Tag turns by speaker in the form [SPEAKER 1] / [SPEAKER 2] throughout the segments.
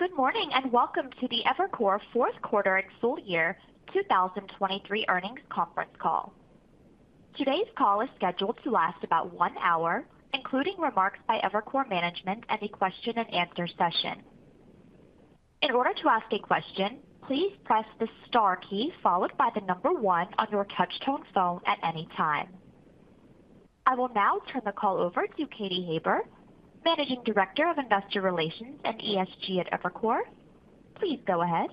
[SPEAKER 1] Good morning, and welcome to the Evercore fourth quarter and full year 2023 earnings conference call. Today's call is scheduled to last about one hour, including remarks by Evercore management and a question and answer session. In order to ask a question, please press the star key followed by the number 1 on your touch-tone phone at any time. I will now turn the call over to Katy Haber, Managing Director of Investor Relations and ESG at Evercore. Please go ahead.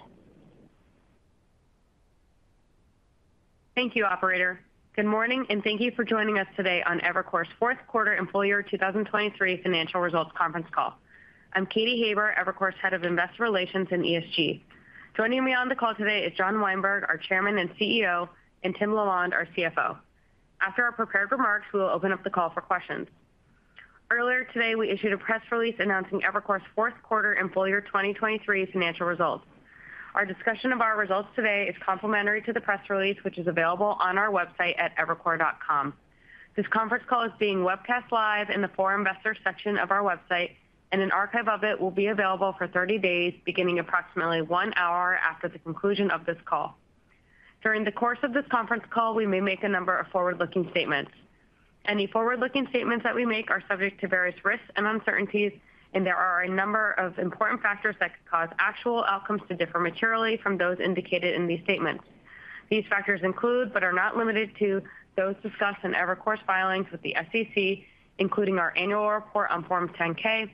[SPEAKER 2] Thank you, operator. Good morning, and thank you for joining us today on Evercore's fourth quarter and full year 2023 financial results conference call. I'm Katy Haber, Evercore's Head of Investor Relations and ESG. Joining me on the call today is John Weinberg, our Chairman and CEO, and Tim LaLonde, our CFO. After our prepared remarks, we will open up the call for questions. Earlier today, we issued a press release announcing Evercore's fourth quarter and full year 2023 financial results. Our discussion of our results today is complementary to the press release, which is available on our website at evercore.com. This conference call is being webcast live in the For Investors section of our website, and an archive of it will be available for 30 days, beginning approximately 1 hour after the conclusion of this call. During the course of this conference call, we may make a number of forward-looking statements. Any forward-looking statements that we make are subject to various risks and uncertainties, and there are a number of important factors that could cause actual outcomes to differ materially from those indicated in these statements. These factors include, but are not limited to, those discussed in Evercore's filings with the SEC, including our annual report on Form 10-K,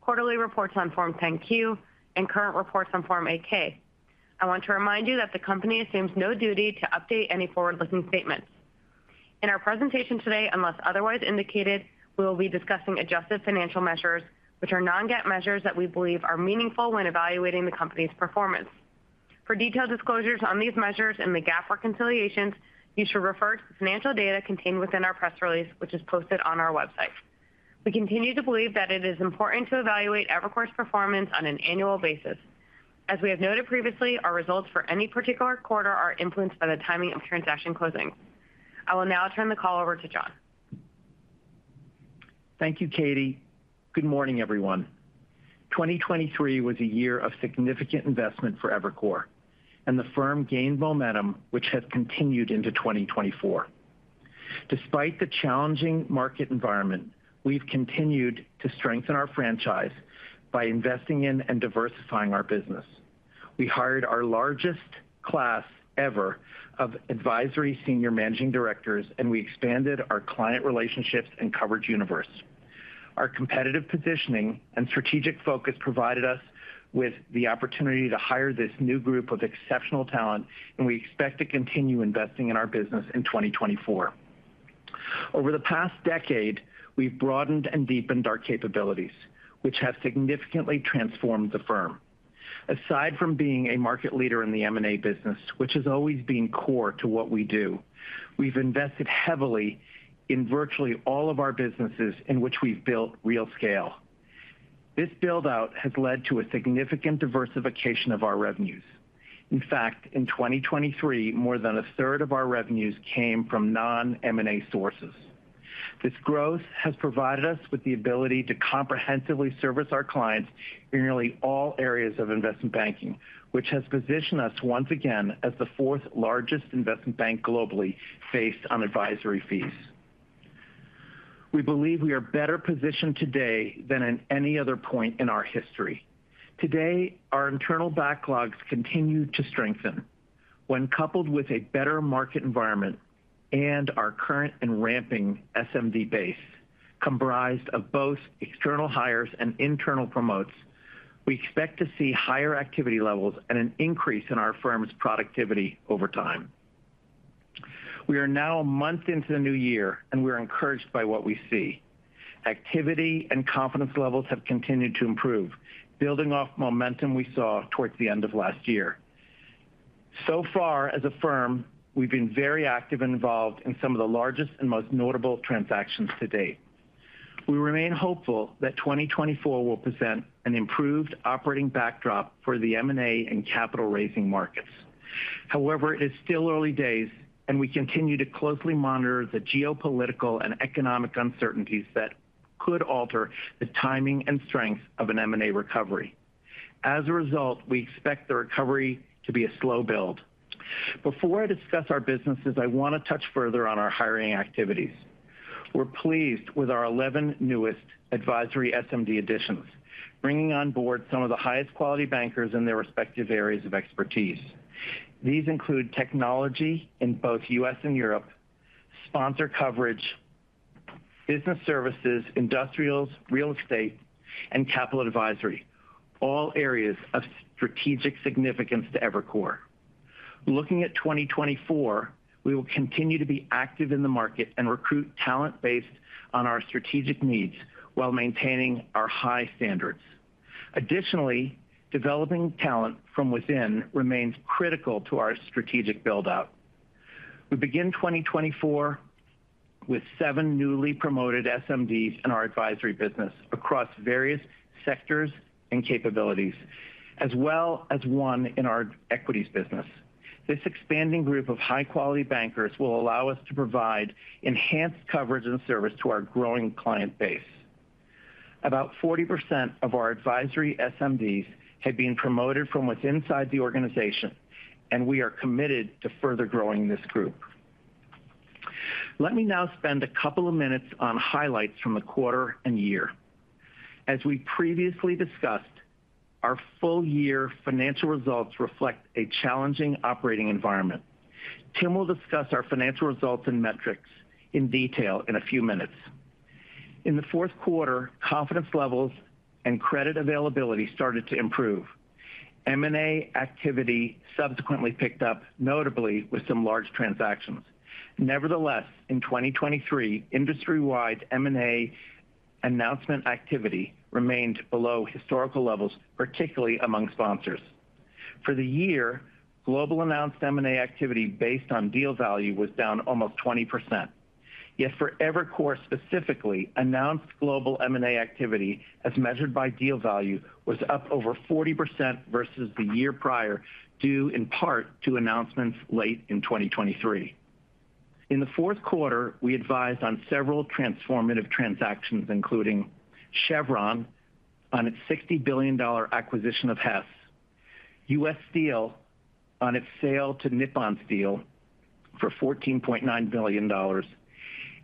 [SPEAKER 2] quarterly reports on Form 10-Q, and current reports on Form 8-K. I want to remind you that the company assumes no duty to update any forward-looking statements. In our presentation today, unless otherwise indicated, we will be discussing adjusted financial measures, which are non-GAAP measures that we believe are meaningful when evaluating the company's performance. For detailed disclosures on these measures and the GAAP reconciliations, you should refer to the financial data contained within our press release, which is posted on our website. We continue to believe that it is important to evaluate Evercore's performance on an annual basis. As we have noted previously, our results for any particular quarter are influenced by the timing of transaction closings. I will now turn the call over to John.
[SPEAKER 3] Thank you, Katy. Good morning, everyone. 2023 was a year of significant investment for Evercore, and the firm gained momentum, which has continued into 2024. Despite the challenging market environment, we've continued to strengthen our franchise by investing in and diversifying our business. We hired our largest class ever of advisory senior managing directors, and we expanded our client relationships and coverage universe. Our competitive positioning and strategic focus provided us with the opportunity to hire this new group of exceptional talent, and we expect to continue investing in our business in 2024. Over the past decade, we've broadened and deepened our capabilities, which have significantly transformed the firm. Aside from being a market leader in the M&A business, which has always been core to what we do, we've invested heavily in virtually all of our businesses in which we've built real scale. This build-out has led to a significant diversification of our revenues. In fact, in 2023, more than a third of our revenues came from non-M&A sources. This growth has provided us with the ability to comprehensively service our clients in nearly all areas of investment banking, which has positioned us once again as the fourth largest investment bank globally, based on advisory fees. We believe we are better positioned today than at any other point in our history. Today, our internal backlogs continue to strengthen. When coupled with a better market environment and our current and ramping SMD base, comprised of both external hires and internal promotes, we expect to see higher activity levels and an increase in our firm's productivity over time. We are now a month into the new year, and we are encouraged by what we see. Activity and confidence levels have continued to improve, building off momentum we saw towards the end of last year. So far, as a firm, we've been very active and involved in some of the largest and most notable transactions to date. We remain hopeful that 2024 will present an improved operating backdrop for the M&A and capital raising markets. However, it is still early days, and we continue to closely monitor the geopolitical and economic uncertainties that could alter the timing and strength of an M&A recovery. As a result, we expect the recovery to be a slow build. Before I discuss our businesses, I want to touch further on our hiring activities. We're pleased with our 11 newest advisory SMD additions, bringing on board some of the highest quality bankers in their respective areas of expertise. These include technology in both U.S. and Europe, sponsor coverage, business services, industrials, real estate, and capital advisory, all areas of strategic significance to Evercore. Looking at 2024, we will continue to be active in the market and recruit talent based on our strategic needs while maintaining our high standards. Additionally, developing talent from within remains critical to our strategic build-out. We begin 2024 with seven newly promoted SMDs in our advisory business across various sectors and capabilities, as well as one in our equities business.... This expanding group of high-quality bankers will allow us to provide enhanced coverage and service to our growing client base. About 40% of our advisory SMDs have been promoted from what's inside the organization, and we are committed to further growing this group. Let me now spend a couple of minutes on highlights from the quarter and year. As we previously discussed, our full year financial results reflect a challenging operating environment. Tim will discuss our financial results and metrics in detail in a few minutes. In the fourth quarter, confidence levels and credit availability started to improve. M&A activity subsequently picked up, notably with some large transactions. Nevertheless, in 2023, industry-wide M&A announcement activity remained below historical levels, particularly among sponsors. For the year, global announced M&A activity based on deal value was down almost 20%. Yet for Evercore, specifically, announced global M&A activity, as measured by deal value, was up over 40% versus the year prior, due in part to announcements late in 2023. In the fourth quarter, we advised on several transformative transactions, including Chevron on its $60 billion acquisition of Hess, U.S. Steel on its sale to Nippon Steel for $14.9 billion,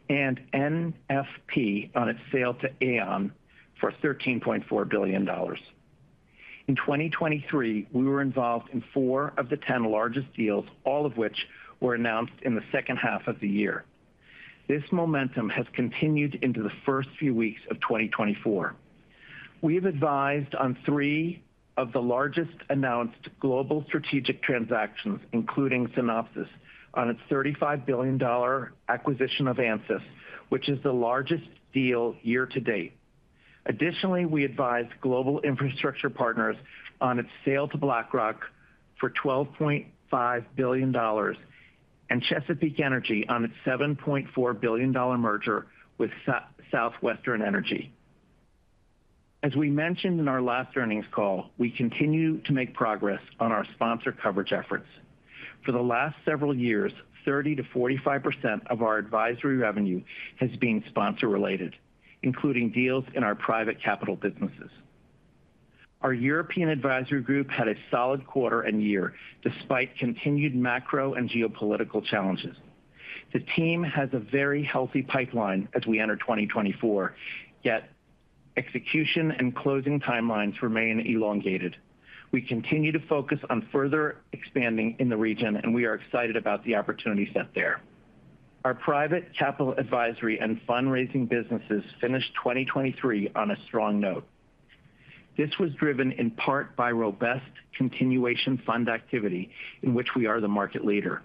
[SPEAKER 3] and NFP on its sale to Aon for $13.4 billion. In 2023, we were involved in 4 of the 10 largest deals, all of which were announced in the second half of the year. This momentum has continued into the first few weeks of 2024. We have advised on 3 of the largest announced global strategic transactions, including Synopsys on its $35 billion acquisition of Ansys, which is the largest deal year to date. Additionally, we advised Global Infrastructure Partners on its sale to BlackRock for $12.5 billion, and Chesapeake Energy on its $7.4 billion merger with Southwestern Energy. As we mentioned in our last earnings call, we continue to make progress on our sponsor coverage efforts. For the last several years, 30%-45% of our advisory revenue has been sponsor-related, including deals in our private capital businesses. Our European advisory group had a solid quarter and year, despite continued macro and geopolitical challenges. The team has a very healthy pipeline as we enter 2024, yet execution and closing timelines remain elongated. We continue to focus on further expanding in the region, and we are excited about the opportunity set there. Our private capital advisory and fundraising businesses finished 2023 on a strong note. This was driven in part by robust continuation fund activity, in which we are the market leader.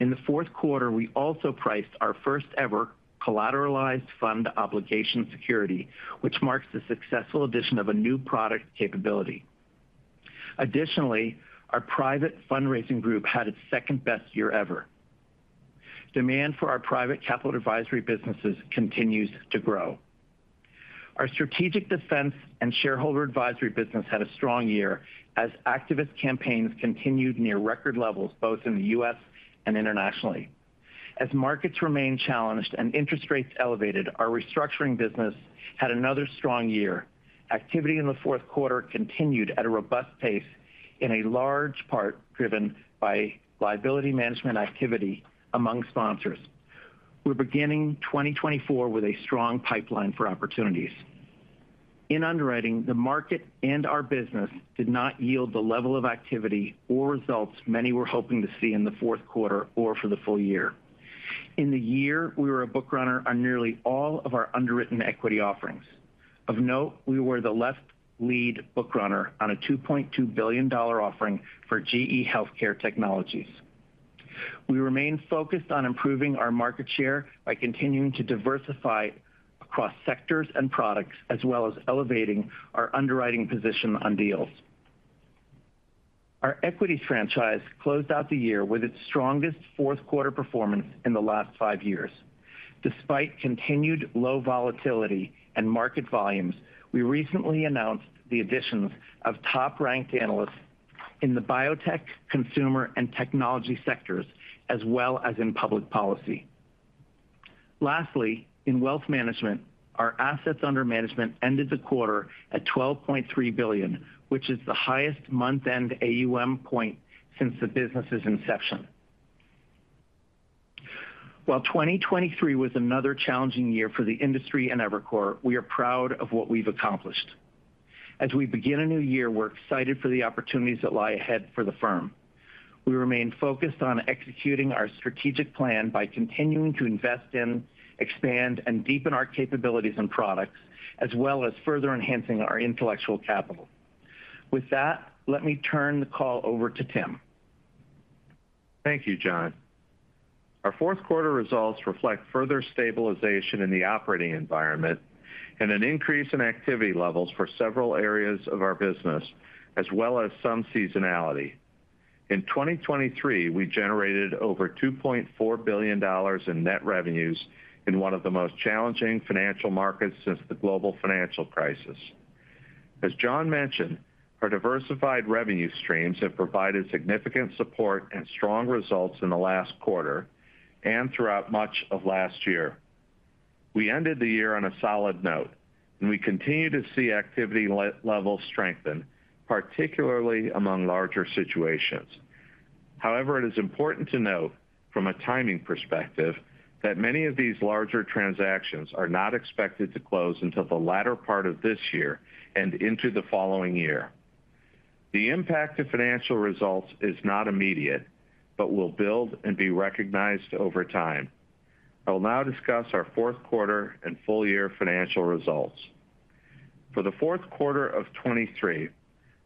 [SPEAKER 3] In the fourth quarter, we also priced our first-ever collateralized fund obligation security, which marks the successful addition of a new product capability. Additionally, our private fundraising group had its second best year ever. Demand for our private capital advisory businesses continues to grow. Our Strategic Defense and Shareholder Advisory business had a strong year as activist campaigns continued near record levels, both in the U.S. and internationally. As markets remained challenged and interest rates elevated, our restructuring business had another strong year. Activity in the fourth quarter continued at a robust pace, in a large part driven by liability management activity among sponsors. We're beginning 2024 with a strong pipeline for opportunities. In underwriting, the market and our business did not yield the level of activity or results many were hoping to see in the fourth quarter or for the full year. In the year, we were a book runner on nearly all of our underwritten equity offerings. Of note, we were the left lead book runner on a $2.2 billion offering for GE HealthCare Technologies. We remain focused on improving our market share by continuing to diversify across sectors and products, as well as elevating our underwriting position on deals. Our equity franchise closed out the year with its strongest fourth quarter performance in the last five years. Despite continued low volatility and market volumes, we recently announced the additions of top-ranked analysts in the biotech, consumer, and technology sectors, as well as in public policy. Lastly, in wealth management, our assets under management ended the quarter at $12.3 billion, which is the highest month-end AUM point since the business's inception. While 2023 was another challenging year for the industry and Evercore, we are proud of what we've accomplished. As we begin a new year, we're excited for the opportunities that lie ahead for the firm. We remain focused on executing our strategic plan by continuing to invest in, expand, and deepen our capabilities and products, as well as further enhancing our intellectual capital. With that, let me turn the call over to Tim.
[SPEAKER 4] Thank you, John. Our fourth quarter results reflect further stabilization in the operating environment and an increase in activity levels for several areas of our business, as well as some seasonality. In 2023, we generated over $2.4 billion in net revenues in one of the most challenging financial markets since the global financial crisis.... As John mentioned, our diversified revenue streams have provided significant support and strong results in the last quarter and throughout much of last year. We ended the year on a solid note, and we continue to see activity level strengthen, particularly among larger situations. However, it is important to note, from a timing perspective, that many of these larger transactions are not expected to close until the latter part of this year and into the following year. The impact to financial results is not immediate, but will build and be recognized over time. I will now discuss our fourth quarter and full year financial results. For the fourth quarter of 2023,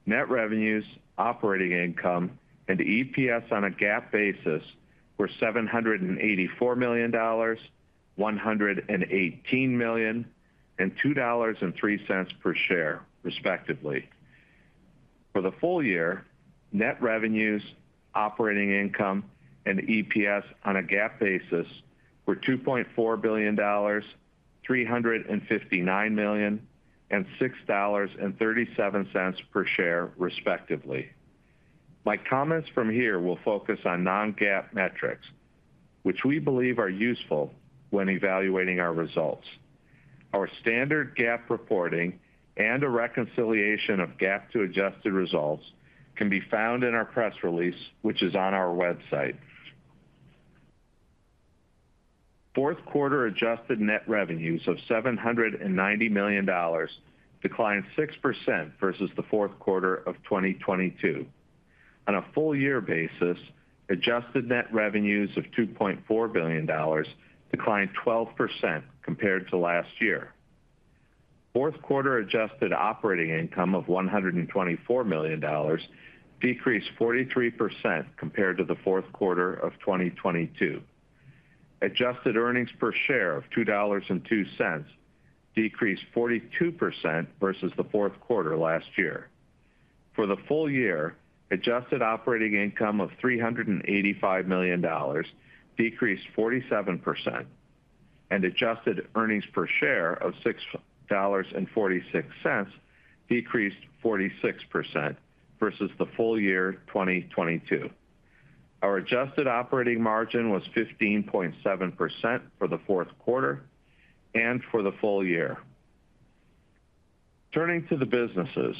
[SPEAKER 4] net revenues, operating income, and EPS on a GAAP basis were $784 million, $118 million, and $2.03 per share, respectively. For the full year, net revenues, operating income, and EPS on a GAAP basis were $2.4 billion, $359 million, and $6.37 per share, respectively. My comments from here will focus on non-GAAP metrics, which we believe are useful when evaluating our results. Our standard GAAP reporting and a reconciliation of GAAP to adjusted results can be found in our press release, which is on our website. Fourth quarter adjusted net revenues of $790 million declined 6% versus the fourth quarter of 2022. On a full year basis, adjusted net revenues of $2.4 billion declined 12% compared to last year. Fourth quarter adjusted operating income of $124 million decreased 43% compared to the fourth quarter of 2022. Adjusted earnings per share of $2.02 decreased 42% versus the fourth quarter last year. For the full year, adjusted operating income of $385 million decreased 47%, and adjusted earnings per share of $6.46 decreased 46% versus the full year 2022. Our adjusted operating margin was 15.7% for the fourth quarter and for the full year. Turning to the businesses.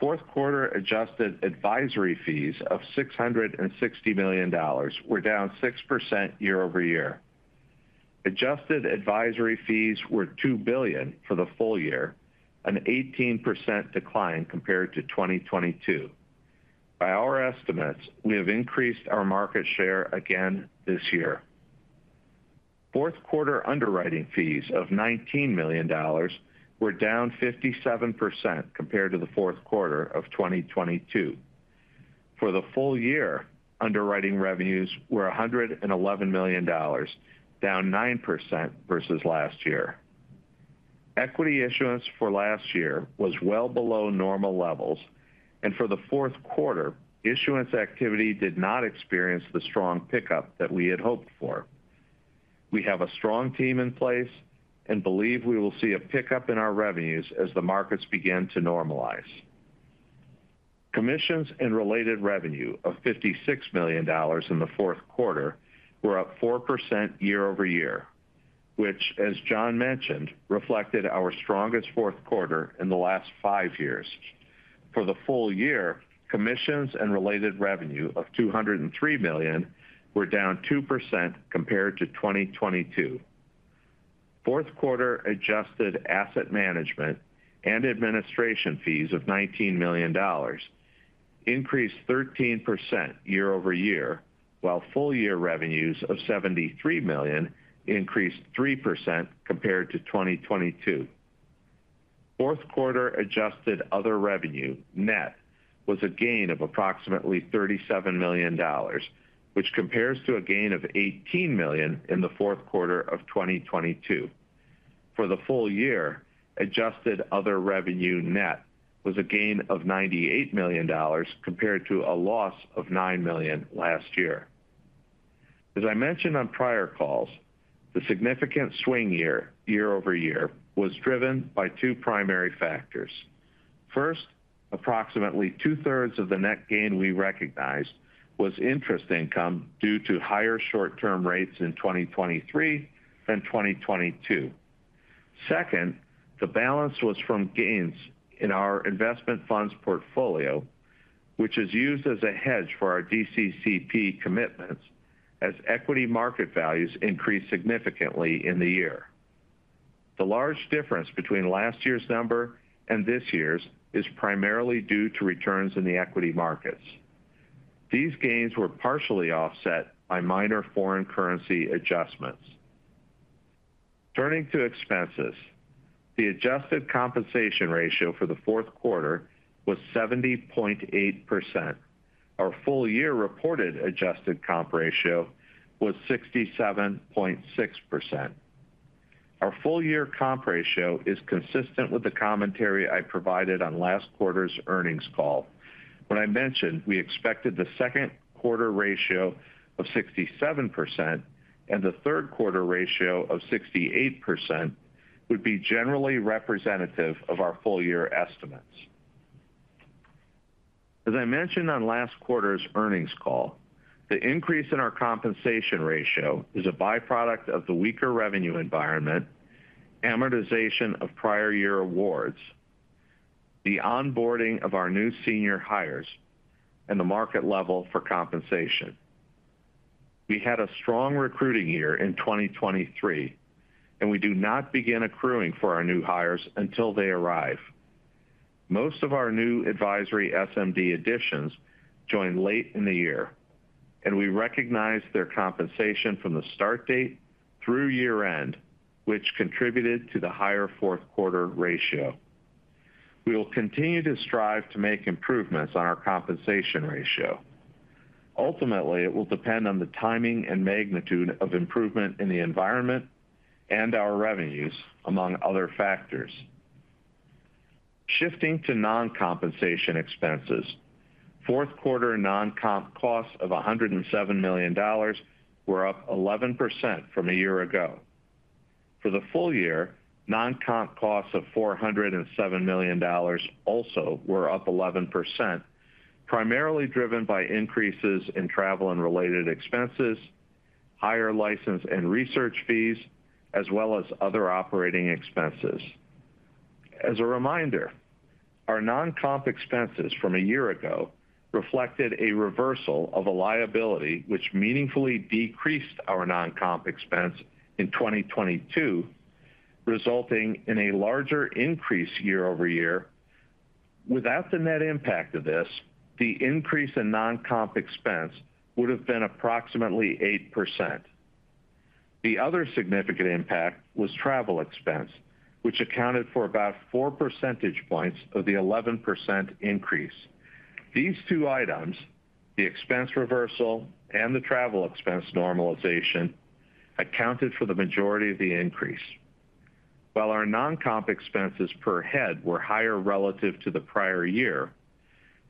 [SPEAKER 4] Fourth quarter adjusted advisory fees of $660 million were down 6% year-over-year. Adjusted advisory fees were $2 billion for the full year, an 18% decline compared to 2022. By our estimates, we have increased our market share again this year. Fourth quarter underwriting fees of $19 million were down 57% compared to the fourth quarter of 2022. For the full year, underwriting revenues were $111 million, down 9% versus last year. Equity issuance for last year was well below normal levels, and for the fourth quarter, issuance activity did not experience the strong pickup that we had hoped for. We have a strong team in place and believe we will see a pickup in our revenues as the markets begin to normalize. Commissions and related revenue of $56 million in the fourth quarter were up 4% year-over-year, which, as John mentioned, reflected our strongest fourth quarter in the last 5 years. For the full year, commissions and related revenue of $203 million were down 2% compared to 2022. Fourth quarter adjusted asset management and administration fees of $19 million increased 13% year-over-year, while full year revenues of $73 million increased 3% compared to 2022. Fourth quarter adjusted other revenue net was a gain of approximately $37 million, which compares to a gain of $18 million in the fourth quarter of 2022. For the full year, adjusted other revenue net was a gain of $98 million compared to a loss of $9 million last year. As I mentioned on prior calls, the significant swing year-over-year was driven by two primary factors. First, approximately two-thirds of the net gain we recognized was interest income due to higher short-term rates in 2023 than 2022. Second, the balance was from gains in our investment funds portfolio, which is used as a hedge for our DCCP commitments as equity market values increased significantly in the year. The large difference between last year's number and this year's is primarily due to returns in the equity markets. These gains were partially offset by minor foreign currency adjustments. Turning to expenses. The adjusted compensation ratio for the fourth quarter was 70.8%. Our full year reported adjusted comp ratio was 67.6%. Our full year comp ratio is consistent with the commentary I provided on last quarter's earnings call. When I mentioned we expected the second quarter ratio of 67% and the third quarter ratio of 68% would be generally representative of our full year estimates. As I mentioned on last quarter's earnings call, the increase in our compensation ratio is a byproduct of the weaker revenue environment, amortization of prior year awards, the onboarding of our new senior hires, and the market level for compensation. We had a strong recruiting year in 2023, and we do not begin accruing for our new hires until they arrive. Most of our new advisory SMD additions joined late in the year, and we recognize their compensation from the start date through year-end, which contributed to the higher fourth quarter ratio. We will continue to strive to make improvements on our compensation ratio. Ultimately, it will depend on the timing and magnitude of improvement in the environment and our revenues, among other factors. Shifting to non-compensation expenses, fourth quarter non-comp costs of $107 million were up 11% from a year ago. For the full year, non-comp costs of $407 million also were up 11%, primarily driven by increases in travel and related expenses, higher license and research fees, as well as other operating expenses. As a reminder, our non-comp expenses from a year ago reflected a reversal of a liability, which meaningfully decreased our non-comp expense in 2022, resulting in a larger increase year-over-year. Without the net impact of this, the increase in non-comp expense would have been approximately 8%. The other significant impact was travel expense, which accounted for about four percentage points of the 11% increase. These two items, the expense reversal and the travel expense normalization, accounted for the majority of the increase. While our non-comp expenses per head were higher relative to the prior year,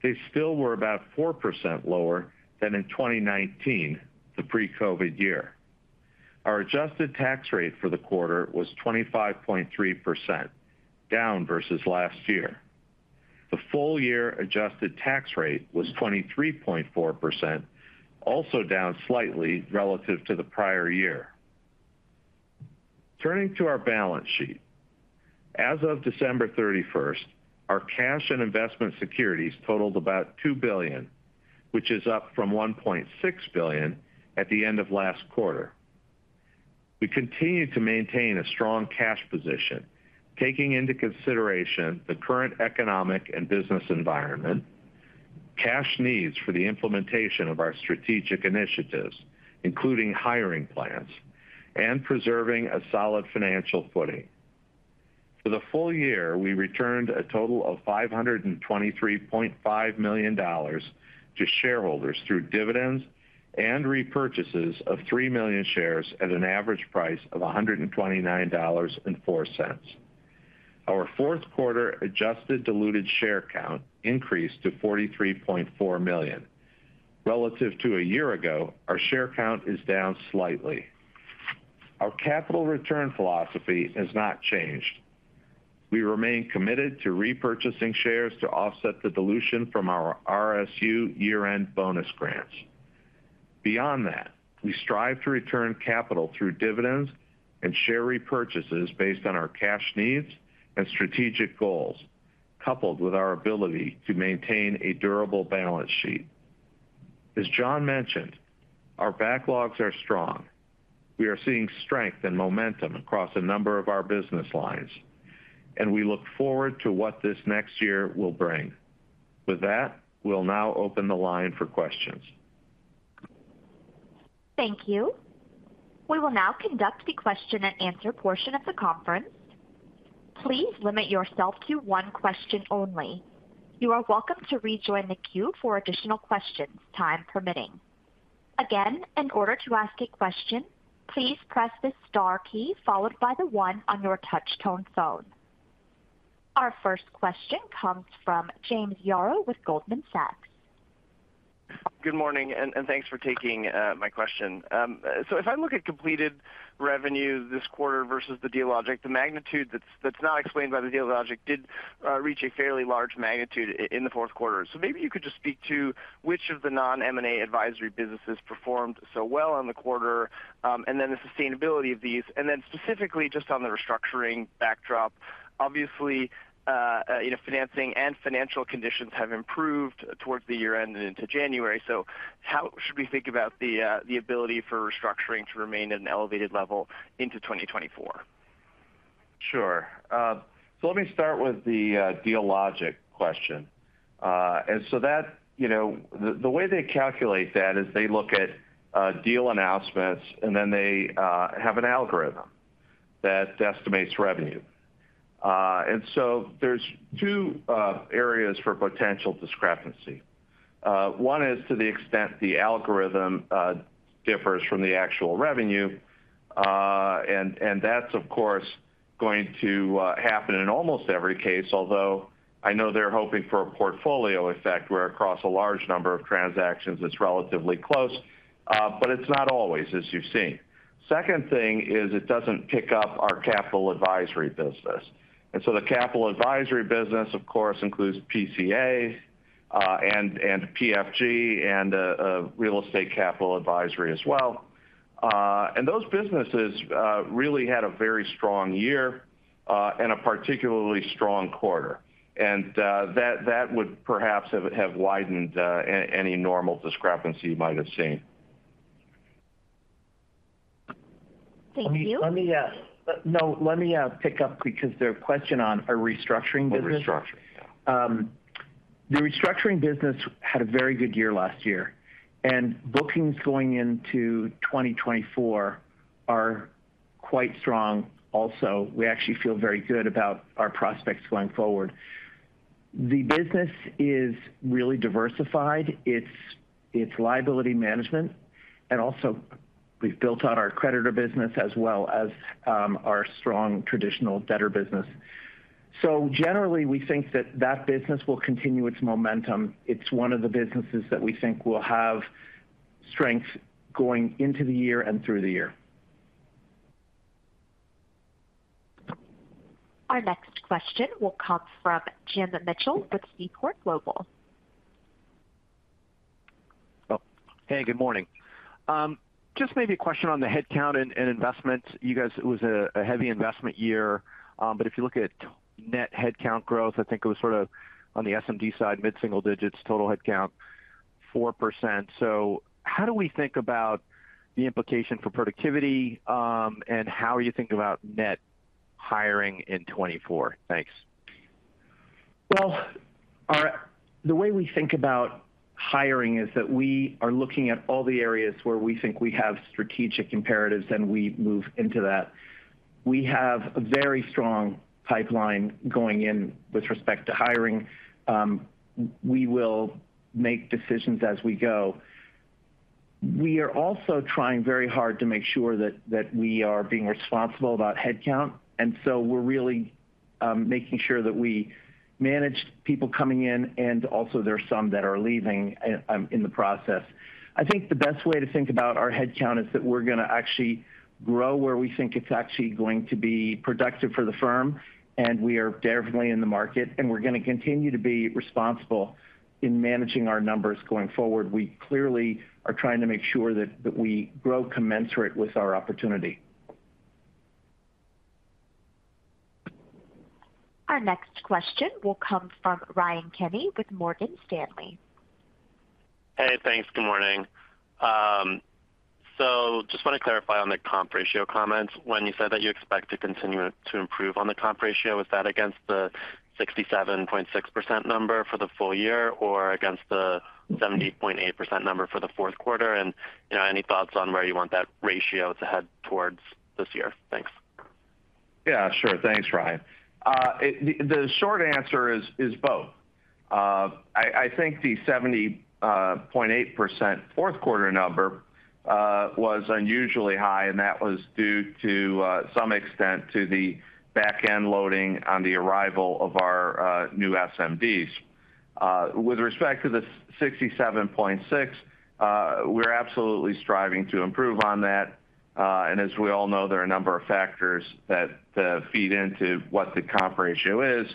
[SPEAKER 4] they still were about 4% lower than in 2019, the pre-COVID year. Our adjusted tax rate for the quarter was 25.3%, down versus last year. The full year adjusted tax rate was 23.4%, also down slightly relative to the prior year. Turning to our balance sheet. As of December 31, our cash and investment securities totaled about $2 billion, which is up from $1.6 billion at the end of last quarter. We continue to maintain a strong cash position, taking into consideration the current economic and business environment, cash needs for the implementation of our strategic initiatives, including hiring plans and preserving a solid financial footing. For the full year, we returned a total of $523.5 million to shareholders through dividends and repurchases of 3 million shares at an average price of $129.04. Our fourth quarter adjusted diluted share count increased to 43.4 million. Relative to a year ago, our share count is down slightly. Our capital return philosophy has not changed. We remain committed to repurchasing shares to offset the dilution from our RSU year-end bonus grants. Beyond that, we strive to return capital through dividends and share repurchases based on our cash needs and strategic goals, coupled with our ability to maintain a durable balance sheet. As John mentioned, our backlogs are strong. We are seeing strength and momentum across a number of our business lines, and we look forward to what this next year will bring. With that, we'll now open the line for questions.
[SPEAKER 1] Thank you. We will now conduct the question and answer portion of the conference. Please limit yourself to one question only. You are welcome to rejoin the queue for additional questions, time permitting. Again, in order to ask a question, please press the star key followed by the one on your touch tone phone. Our first question comes from James Yaro with Goldman Sachs.
[SPEAKER 5] Good morning, and thanks for taking my question. So if I look at completed revenue this quarter versus the Dealogic, the magnitude that's not explained by the Dealogic did reach a fairly large magnitude in the fourth quarter. So maybe you could just speak to which of the non-M&A advisory businesses performed so well on the quarter, and then the sustainability of these. And then specifically just on the restructuring backdrop, obviously, you know, financing and financial conditions have improved towards the year end and into January. So how should we think about the ability for restructuring to remain at an elevated level into 2024?
[SPEAKER 4] Sure. So let me start with the Dealogic question. And so that, you know, the way they calculate that is they look at deal announcements, and then they have an algorithm that estimates revenue. And so there's 2 areas for potential discrepancy. One is to the extent the algorithm differs from the actual revenue. And that's, of course, going to happen in almost every case. Although, I know they're hoping for a portfolio effect, where across a large number of transactions, it's relatively close. But it's not always, as you've seen. Second thing is it doesn't pick up our capital advisory business. And so the capital advisory business, of course, includes PCA and PFG and Real Estate Capital Advisory as well. Those businesses really had a very strong year and a particularly strong quarter. That would perhaps have widened any normal discrepancy you might have seen.
[SPEAKER 1] Thank you.
[SPEAKER 3] Let me pick up because there are questions on our restructuring business.
[SPEAKER 4] The restructuring, yeah.
[SPEAKER 3] The restructuring business had a very good year last year, and bookings going into 2024 are quite strong also. We actually feel very good about our prospects going forward. The business is really diversified. It's liability management, and also we've built out our creditor business as well as our strong traditional debtor business. So generally, we think that that business will continue its momentum. It's one of the businesses that we think will have strength going into the year and through the year.
[SPEAKER 1] Our next question will come from Jim Mitchell with Seaport Global.
[SPEAKER 6] Oh, hey, good morning. Just maybe a question on the headcount and investment. You guys, it was a heavy investment year, but if you look at net headcount growth, I think it was sort of on the SMD side, mid-single digits, total headcount, 4%. So how do we think about the implication for productivity, and how you think about net hiring in 2024? Thanks.
[SPEAKER 3] Well, the way we think about hiring is that we are looking at all the areas where we think we have strategic imperatives, and we move into that. We have a very strong pipeline going in with respect to hiring. We will make decisions as we go. We are also trying very hard to make sure that we are being responsible about headcount, and so we're really making sure that we manage people coming in, and also there are some that are leaving in the process. I think the best way to think about our headcount is that we're going to actually grow where we think it's actually going to be productive for the firm, and we are definitely in the market, and we're going to continue to be responsible in managing our numbers going forward. We clearly are trying to make sure that we grow commensurate with our opportunity.
[SPEAKER 1] Our next question will come from Ryan Kenny with Morgan Stanley.
[SPEAKER 7] Hey, thanks. Good morning. So just want to clarify on the comp ratio comments. When you said that you expect to continue to improve on the comp ratio, is that against the 67.6% number for the full year or against the 70.8% number for the fourth quarter? And, you know, any thoughts on where you want that ratio to head towards this year? Thanks.
[SPEAKER 4] Yeah, sure. Thanks, Ryan. The short answer is both. I think the 70.8% fourth quarter number was unusually high, and that was due to some extent to the back-end loading on the arrival of our new SMDs. With respect to the 67.6, we're absolutely striving to improve on that. And as we all know, there are a number of factors that feed into what the comp ratio is.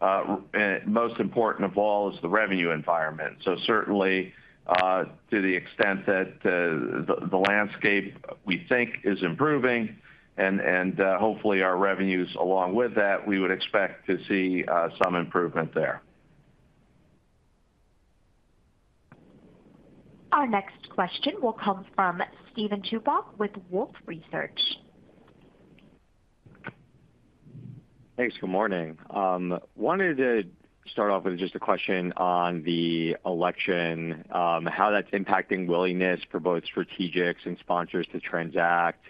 [SPEAKER 4] And most important of all is the revenue environment. So certainly, to the extent that the landscape we think is improving and hopefully our revenues along with that, we would expect to see some improvement there.
[SPEAKER 1] Our next question will come from Steven Chubak with Wolfe Research.
[SPEAKER 8] Thanks. Good morning. Wanted to start off with just a question on the election, how that's impacting willingness for both strategics and sponsors to transact,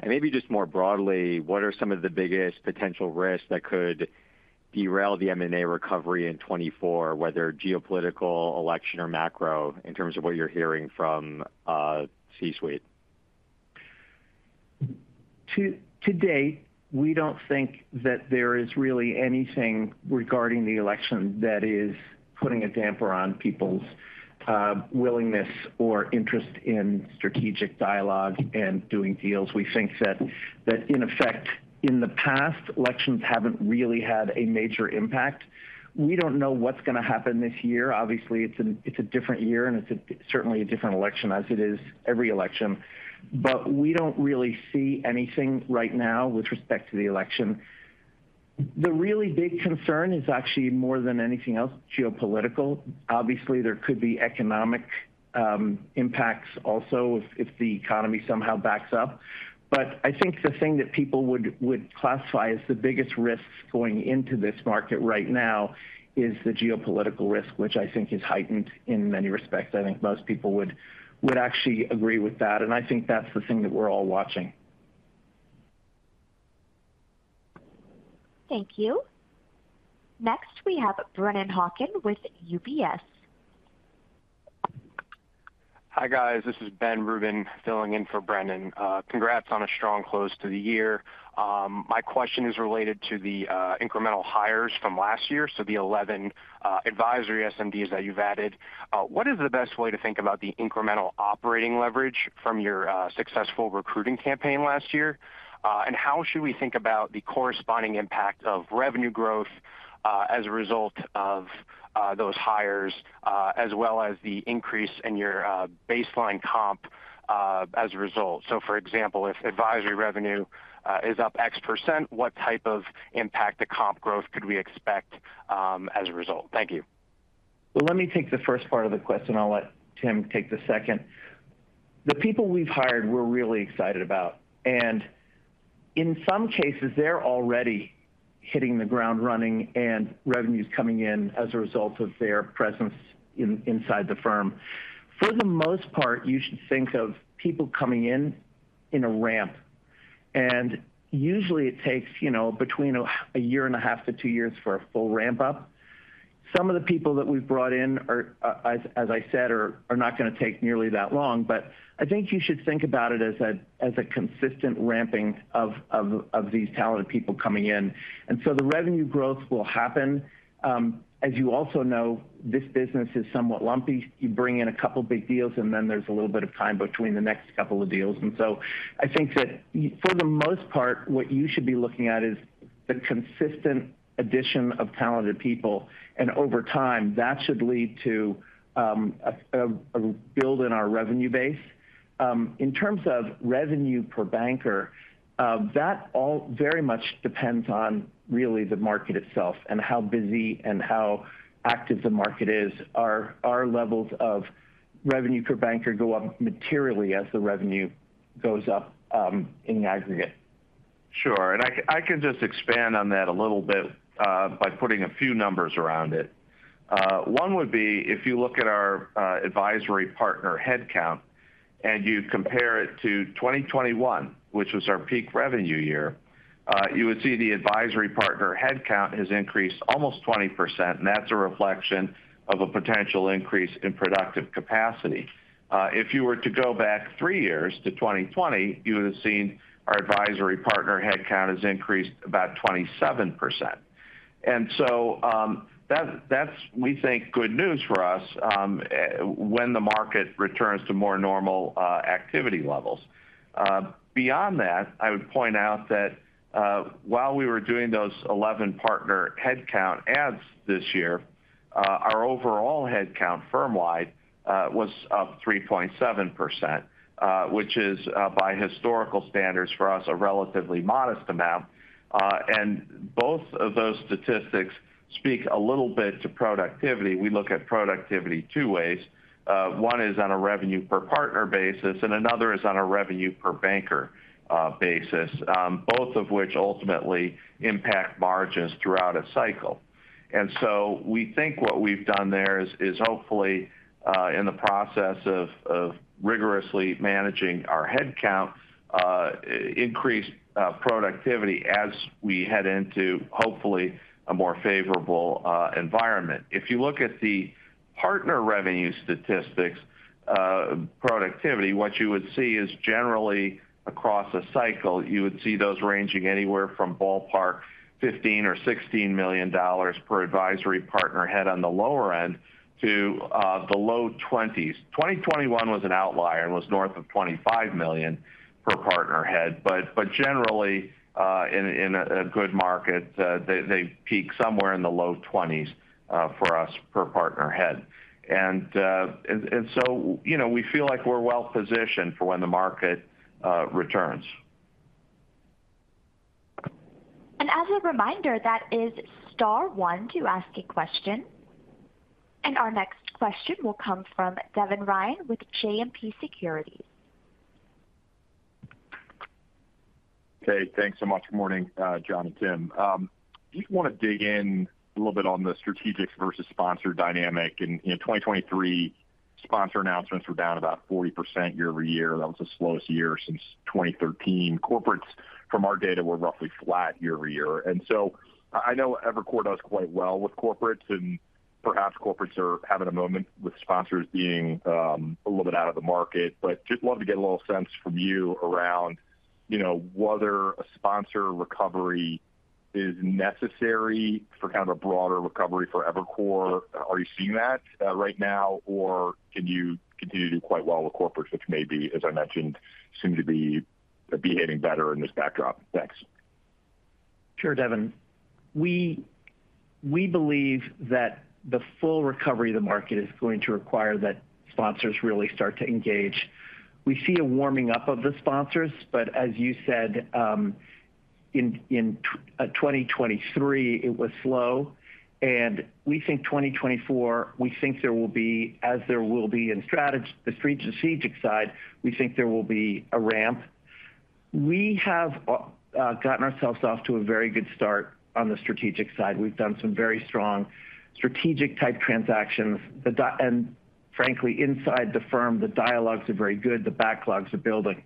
[SPEAKER 8] and maybe just more broadly, what are some of the biggest potential risks that could derail the M&A recovery in 2024, whether geopolitical, election or macro, in terms of what you're hearing from, C-suite?
[SPEAKER 3] To date, we don't think that there is really anything regarding the election that is putting a damper on people's willingness or interest in strategic dialogue and doing deals. We think that in effect, in the past, elections haven't really had a major impact. We don't know what's going to happen this year. Obviously, it's a different year, and it's certainly a different election as it is every election, but we don't really see anything right now with respect to the election. The really big concern is actually more than anything else, geopolitical. Obviously, there could be economic impacts also if the economy somehow backs up. But I think the thing that people would classify as the biggest risks going into this market right now is the geopolitical risk, which I think is heightened in many respects. I think most people would actually agree with that, and I think that's the thing that we're all watching.
[SPEAKER 1] Thank you. Next, we have Brennan Hawken with UBS.
[SPEAKER 9] Hi, guys, this is Ben Rubin, filling in for Brennan. Congrats on a strong close to the year. My question is related to the incremental hires from last year, so the 11 advisory SMD that you've added. What is the best way to think about the incremental operating leverage from your successful recruiting campaign last year? And how should we think about the corresponding impact of revenue growth as a result of those hires as well as the increase in your baseline comp as a result? So, for example, if advisory revenue is up X%, what type of impact to comp growth could we expect as a result? Thank you.
[SPEAKER 3] Well, let me take the first part of the question. I'll let Tim take the second. The people we've hired, we're really excited about, and in some cases, they're already hitting the ground running and revenues coming in as a result of their presence inside the firm. For the most part, you should think of people coming in in a ramp, and usually it takes, you know, between a year and a half to two years for a full ramp-up. Some of the people that we've brought in are, as I said, not going to take nearly that long, but I think you should think about it as a consistent ramping of these talented people coming in. And so the revenue growth will happen. As you also know, this business is somewhat lumpy. You bring in a couple of big deals, and then there's a little bit of time between the next couple of deals. I think that for the most part, what you should be looking at is the consistent addition of talented people, and over time, that should lead to a build in our revenue base. In terms of revenue per banker, that all very much depends on really the market itself and how busy and how active the market is. Our levels of revenue per banker go up materially as the revenue goes up in the aggregate.
[SPEAKER 4] Sure. And I can, I can just expand on that a little bit, by putting a few numbers around it. One would be, if you look at our advisory partner headcount, and you compare it to 2021, which was our peak revenue year, you would see the advisory partner headcount has increased almost 20%, and that's a reflection of a potential increase in productive capacity. If you were to go back three years to 2020, you would have seen our advisory partner headcount has increased about 27%. And so, that's, that's, we think, good news for us, when the market returns to more normal activity levels. Beyond that, I would point out that, while we were doing those 11 partner headcount adds this year, our overall headcount, firm-wide, was up 3.7%, which is, by historical standards for us, a relatively modest amount. And both of those statistics speak a little bit to productivity. We look at productivity two ways. One is on a revenue per partner basis, and another is on a revenue per banker basis, both of which ultimately impact margins throughout a cycle. And so we think what we've done there is hopefully, in the process of rigorously managing our headcount, increased productivity as we head into, hopefully, a more favorable environment. If you look at the partner revenue statistics, productivity, what you would see is generally across a cycle, you would see those ranging anywhere from ballpark $15 million or $16 million per advisory partner head on the lower end to the low $20s. 2021 was an outlier and was north of $25 million per partner head. But generally, in a good market, they peak somewhere in the low $20s for us per partner head. And so, you know, we feel like we're well-positioned for when the market returns.
[SPEAKER 1] As a reminder, that is star one to ask a question. Our next question will come from Devin Ryan with JMP Securities.
[SPEAKER 9] Okay, thanks so much. Good morning, John and Tim. Just want to dig in a little bit on the strategic versus sponsor dynamic. In 2023, sponsor announcements were down about 40% year-over-year. That was the slowest year since 2013. Corporates, from our data, were roughly flat year-over-year. And so I know Evercore does quite well with corporates, and perhaps corporates are having a moment with sponsors being a little bit out of the market. But just love to get a little sense from you around, you know, whether a sponsor recovery is necessary for kind of a broader recovery for Evercore. Are you seeing that right now, or can you continue to do quite well with corporates, which may be, as I mentioned, seem to be behaving better in this backdrop? Thanks.
[SPEAKER 3] Sure, Devin. We, we believe that the full recovery of the market is going to require that sponsors really start to engage. We see a warming up of the sponsors, but as you said, in 2023, it was slow, and we think 2024, we think there will be, as there will be in the strategic side, we think there will be a ramp. We have gotten ourselves off to a very good start on the strategic side. We've done some very strong strategic-type transactions. And frankly, inside the firm, the dialogues are very good. The backlogs are building.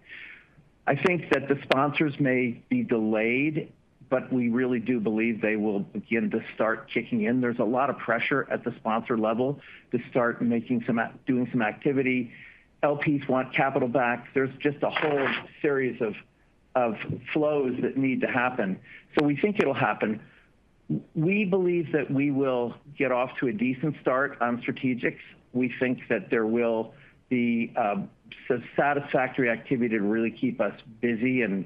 [SPEAKER 3] I think that the sponsors may be delayed, but we really do believe they will begin to start kicking in. There's a lot of pressure at the sponsor level to start making some doing some activity. LPs want capital back. There's just a whole series of flows that need to happen. So we think it'll happen. We believe that we will get off to a decent start on strategics. We think that there will be some satisfactory activity to really keep us busy and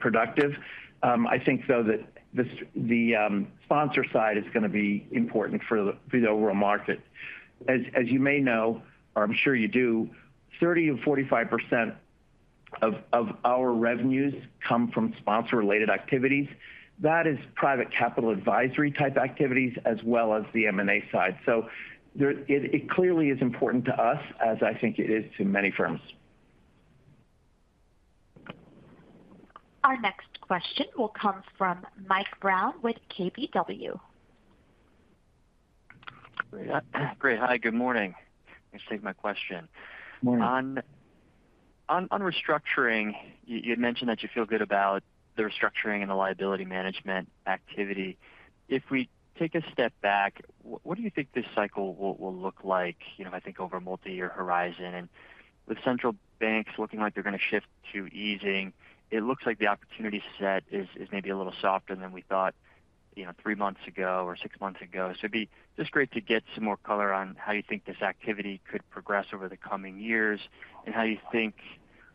[SPEAKER 3] productive. I think, though, that the sponsor side is going to be important for the overall market. As you may know, or I'm sure you do, 30%-45% of our revenues come from sponsor-related activities. That is private capital advisory-type activities, as well as the M&A side. So it clearly is important to us, as I think it is to many firms.
[SPEAKER 1] Our next question will come from Mike Brown with KBW.
[SPEAKER 10] Great. Hi, good morning. Thanks for taking my question.
[SPEAKER 3] Morning.
[SPEAKER 10] On restructuring, you had mentioned that you feel good about the restructuring and the liability management activity. If we take a step back, what do you think this cycle will look like, you know, I think, over a multi-year horizon? And with central banks looking like they're going to shift to easing, it looks like the opportunity set is maybe a little softer than we thought, you know, three months ago or six months ago. So it'd be just great to get some more color on how you think this activity could progress over the coming years, and how you think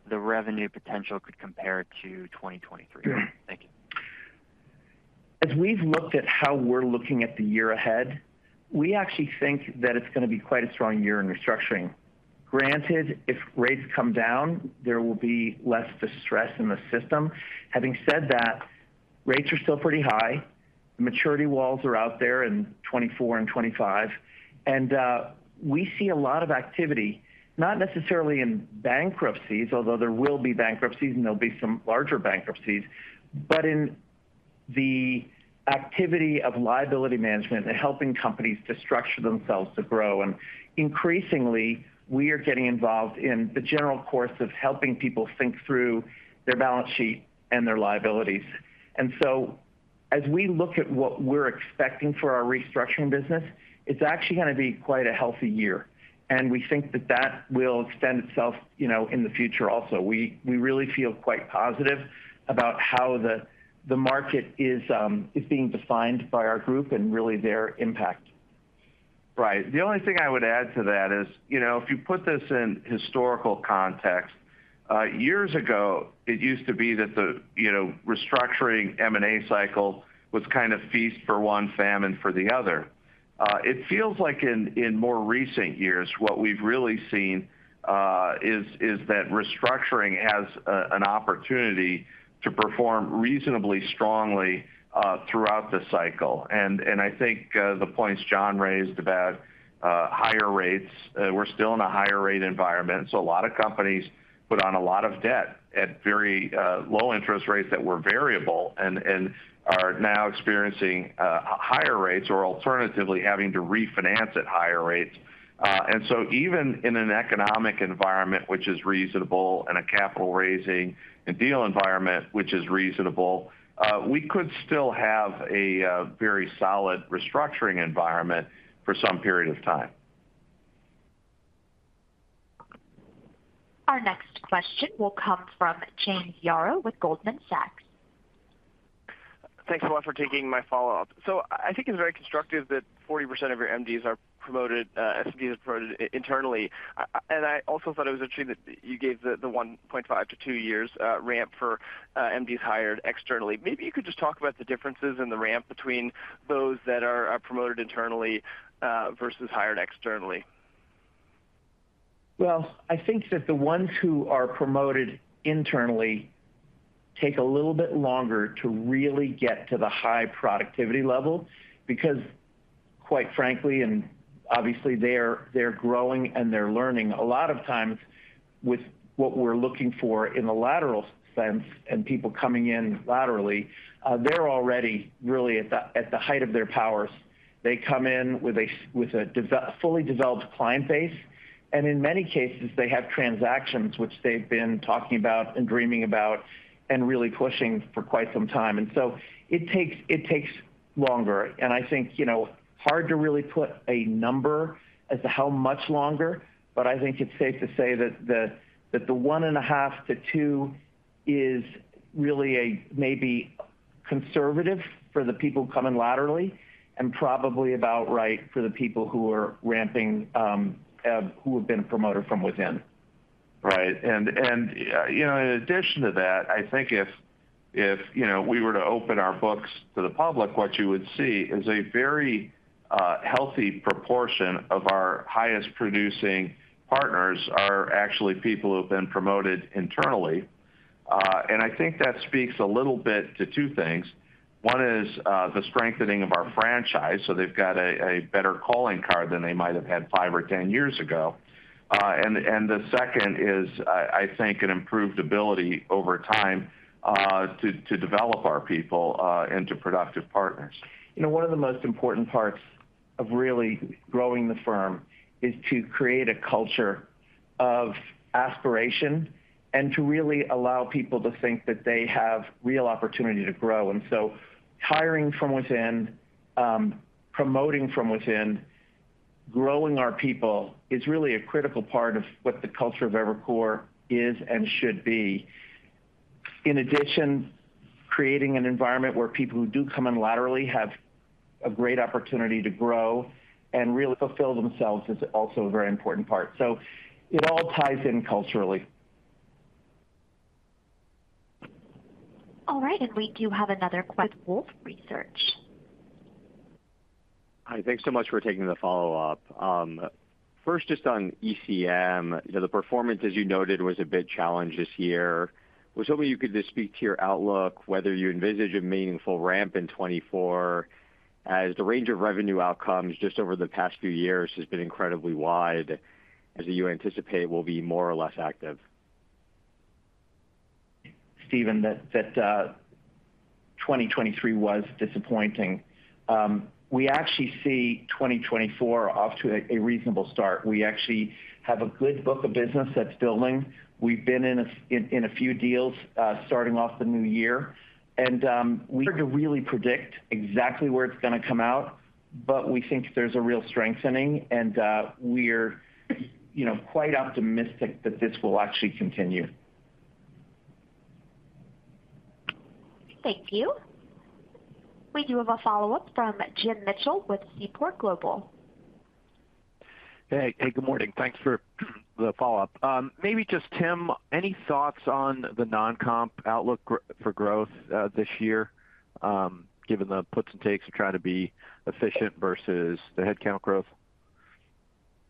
[SPEAKER 10] the revenue potential could compare to 2023.
[SPEAKER 3] Sure.
[SPEAKER 10] Thank you.
[SPEAKER 3] As we've looked at how we're looking at the year ahead, we actually think that it's going to be quite a strong year in restructuring. Granted, if rates come down, there will be less distress in the system. Having said that, rates are still pretty high. Maturity walls are out there in 2024 and 2025. And we see a lot of activity, not necessarily in bankruptcies, although there will be bankruptcies, and there'll be some larger bankruptcies, but in the activity of liability management and helping companies to structure themselves to grow. And increasingly, we are getting involved in the general course of helping people think through their balance sheet and their liabilities. And so as we look at what we're expecting for our restructuring business, it's actually going to be quite a healthy year, and we think that that will extend itself, you know, in the future also. We really feel quite positive about how the market is being defined by our group and really their impact.
[SPEAKER 4] Right. The only thing I would add to that is, you know, if you put this in historical context, years ago, it used to be that the, you know, restructuring M&A cycle was kind of feast for one, famine for the other. It feels like in more recent years, what we've really seen is that restructuring has an opportunity to perform reasonably strongly throughout the cycle. And I think the points John raised about higher rates, we're still in a higher rate environment, so a lot of companies put on a lot of debt at very low interest rates that were variable and are now experiencing higher rates or alternatively, having to refinance at higher rates. And so even in an economic environment, which is reasonable and a capital raising and deal environment, which is reasonable, we could still have a very solid restructuring environment for some period of time.
[SPEAKER 1] Our next question will come from James Yaro with Goldman Sachs.
[SPEAKER 5] Thanks a lot for taking my follow-up. So I think it's very constructive that 40% of your MDs are promoted, SMDs are promoted internally. And I also thought it was interesting that you gave the 1.5-2 years ramp for MDs hired externally. Maybe you could just talk about the differences in the ramp between those that are promoted internally versus hired externally.
[SPEAKER 3] Well, I think that the ones who are promoted internally take a little bit longer to really get to the high productivity level, because, quite frankly, and obviously, they're, they're growing and they're learning. A lot of times with what we're looking for in the lateral sense and people coming in laterally, they're already really at the, at the height of their powers. They come in with a fully developed client base, and in many cases, they have transactions which they've been talking about and dreaming about and really pushing for quite some time. And so it takes, it takes longer. I think, you know, it's hard to really put a number as to how much longer, but I think it's safe to say that the 1.5-2 is really a maybe conservative for the people coming laterally, and probably about right for the people who are ramping, who have been promoted from within.
[SPEAKER 4] Right. And, you know, in addition to that, I think if, you know, we were to open our books to the public, what you would see is a very, healthy proportion of our highest producing partners are actually people who have been promoted internally. And I think that speaks a little bit to two things. One is, the strengthening of our franchise, so they've got a better calling card than they might have had five or 10 years ago. And the second is, I think, an improved ability over time, to develop our people, into productive partners.
[SPEAKER 3] You know, one of the most important parts of really growing the firm is to create a culture of aspiration and to really allow people to think that they have real opportunity to grow. And so hiring from within, promoting from within, growing our people is really a critical part of what the culture of Evercore is and should be. In addition, creating an environment where people who do come in laterally have a great opportunity to grow and really fulfill themselves is also a very important part. So it all ties in culturally.
[SPEAKER 1] All right, and we do have another question, Wolfe Research.
[SPEAKER 8] Hi, thanks so much for taking the follow-up. First, just on ECM, you know, the performance, as you noted, was a bit challenged this year. Was hoping you could just speak to your outlook, whether you envisage a meaningful ramp in 2024, as the range of revenue outcomes just over the past few years has been incredibly wide, as you anticipate, will be more or less active.
[SPEAKER 3] Steven, that 2023 was disappointing. We actually see 2024 off to a reasonable start. We actually have a good book of business that's building. We've been in a few deals starting off the new year, and we had to really predict exactly where it's gonna come out, but we think there's a real strengthening and we're, you know, quite optimistic that this will actually continue.
[SPEAKER 1] Thank you. We do have a follow-up from Jim Mitchell with Seaport Global.
[SPEAKER 6] Hey, hey, good morning. Thanks for the follow-up. Maybe just Tim, any thoughts on the non-comp outlook for growth this year, given the puts and takes of trying to be efficient versus the headcount growth?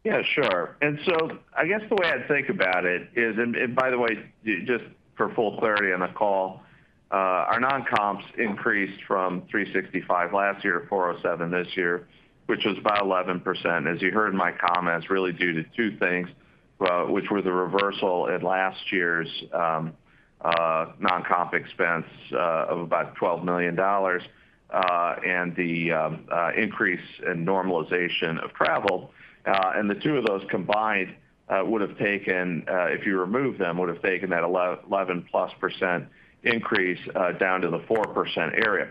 [SPEAKER 4] Yeah, sure. And so I guess the way I'd think about it is, and by the way, just for full clarity on the call, our non-comps increased from 365 last year to 407 this year, which is about 11%. As you heard in my comments, really due to two things, which were the reversal at last year's non-comp expense of about $12 million, and the increase in normalization of travel. And the two of those combined would have taken, if you remove them, would have taken that 11%+ increase down to the 4% area.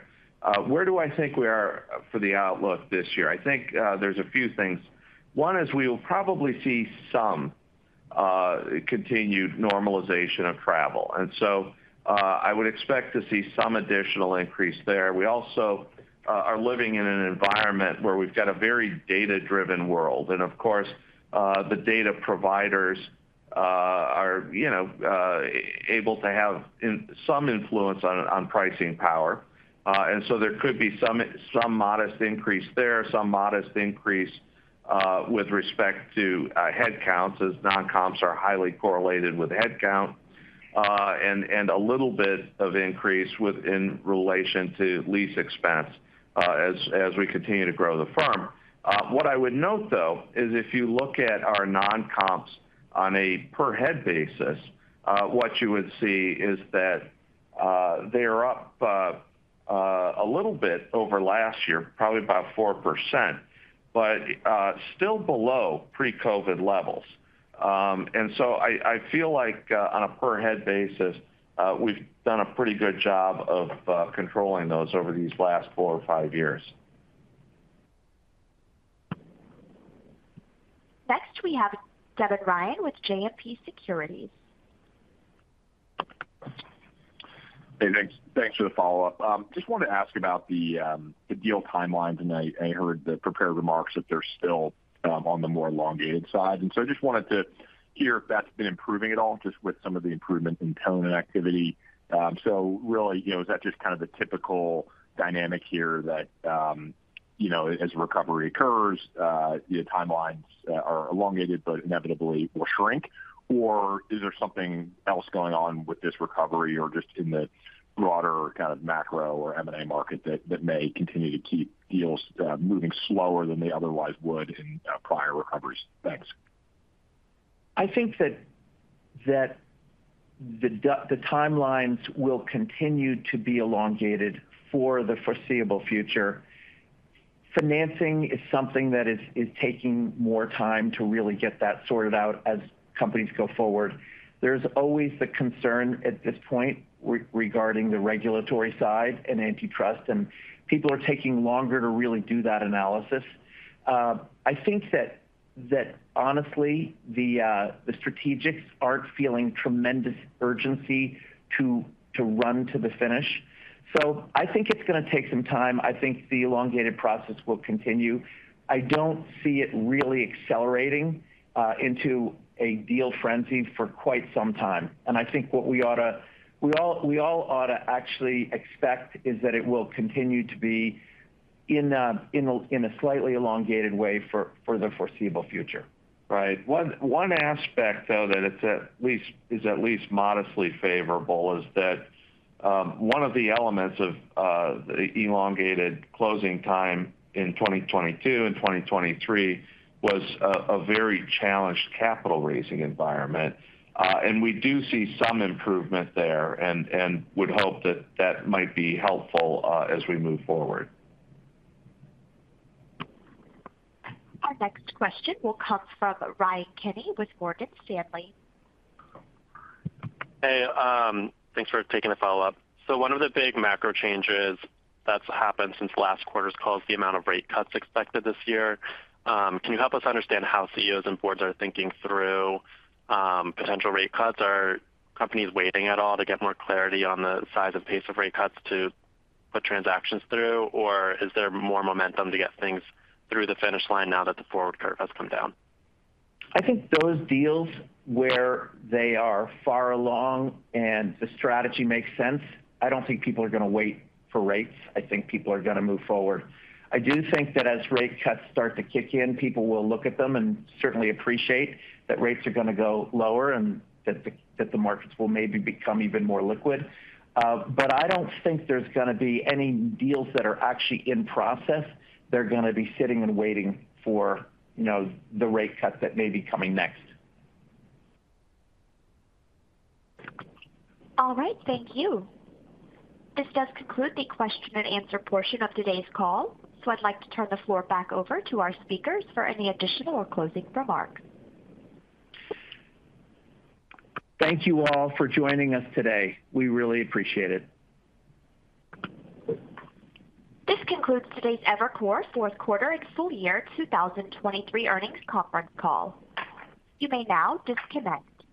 [SPEAKER 4] Where do I think we are for the outlook this year? I think there's a few things. One is we will probably see some continued normalization of travel, and so I would expect to see some additional increase there. We also are living in an environment where we've got a very data-driven world. And of course the data providers are, you know, able to have some influence on pricing power. And so there could be some modest increase there, some modest increase with respect to headcounts, as non-comps are highly correlated with headcount, and a little bit of increase in relation to lease expense, as we continue to grow the firm. What I would note, though, is if you look at our non-comps on a per head basis, what you would see is that they are up a little bit over last year, probably about 4%, but still below pre-COVID levels. And so I feel like, on a per head basis, we've done a pretty good job of controlling those over these last four or five years.
[SPEAKER 1] Next, we have Devin Ryan with JMP Securities.
[SPEAKER 9] Hey, thanks, thanks for the follow-up. Just wanted to ask about the deal timelines, and I heard the prepared remarks that they're still on the more elongated side. And so I just wanted to hear if that's been improving at all, just with some of the improvements in tone and activity. So really, you know, is that just kind of the typical dynamic here that, you know, as recovery occurs, the timelines are elongated but inevitably will shrink? Or is there something else going on with this recovery or just in the broader kind of macro or M&A market that may continue to keep deals moving slower than they otherwise would in prior recoveries? Thanks.
[SPEAKER 3] I think that the timelines will continue to be elongated for the foreseeable future. Financing is something that is taking more time to really get that sorted out as companies go forward. There's always the concern at this point regarding the regulatory side and antitrust, and people are taking longer to really do that analysis. I think that honestly, the strategics aren't feeling tremendous urgency to run to the finish. So I think it's gonna take some time. I think the elongated process will continue. I don't see it really accelerating into a deal frenzy for quite some time. And I think what we ought to... We all ought to actually expect is that it will continue to be in a slightly elongated way for the foreseeable future.
[SPEAKER 4] Right. One aspect, though, that is at least modestly favorable, is that one of the elements of the elongated closing time in 2022 and 2023 was a very challenged capital-raising environment. And we do see some improvement there and would hope that that might be helpful, as we move forward.
[SPEAKER 1] Our next question will come from Ryan Kenny with Morgan Stanley.
[SPEAKER 7] Hey, thanks for taking the follow-up. So one of the big macro changes that's happened since last quarter's call is the amount of rate cuts expected this year. Can you help us understand how CEOs and boards are thinking through potential rate cuts? Are companies waiting at all to get more clarity on the size and pace of rate cuts to put transactions through, or is there more momentum to get things through the finish line now that the forward curve has come down?
[SPEAKER 3] I think those deals, where they are far along and the strategy makes sense, I don't think people are gonna wait for rates. I think people are gonna move forward. I do think that as rate cuts start to kick in, people will look at them and certainly appreciate that rates are gonna go lower and that the, that the markets will maybe become even more liquid. But I don't think there's gonna be any deals that are actually in process. They're gonna be sitting and waiting for, you know, the rate cut that may be coming next.
[SPEAKER 1] All right, thank you. This does conclude the question and answer portion of today's call, so I'd like to turn the floor back over to our speakers for any additional or closing remarks.
[SPEAKER 3] Thank you all for joining us today. We really appreciate it.
[SPEAKER 1] This concludes today's Evercore fourth quarter and full year 2023 earnings conference call. You may now disconnect.